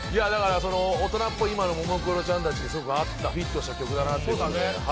大人っぽい、今のももクロちゃんにフィットした曲だなと。